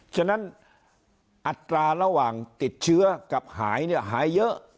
ฉะนั้นอัตราระหว่างติดเชื้อกับหายเนี่ยหายเยอะ